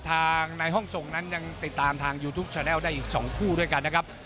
ทางในห้องส่งนั้นยังติดตามทางยูทูปชาแนลได้อีก๒คู่ด้วยกันนะครับ